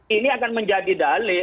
ini akan menjadi dalih